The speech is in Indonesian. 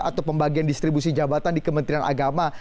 atau pembagian distribusi jabatan di kementerian agama